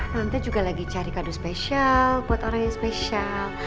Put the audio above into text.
nanti juga lagi cari kadu spesial buat orang yang spesial